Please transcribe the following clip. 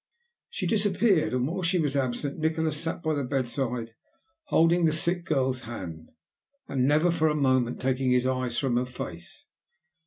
She disappeared, and while she was absent Nikola sat by the bedside holding the sick girl's hand, and never for a moment taking his eyes from her face.